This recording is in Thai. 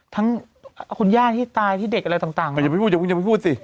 ทั้งคุณย่าที่ตายที่เด็กอะไรต่างอย่าไปพูดเดี๋ยวคุณอย่าไปพูดสิ